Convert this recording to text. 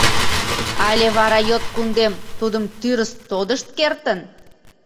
Але вара йот кундем тудым тӱрыс тодышт кертын?